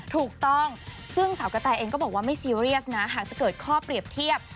ถูกต้องซึ่งสาวกระแตเองก็บอกว่าไม่ซีเรียสนะหากจะเกิดข้อเปรียบเทียบ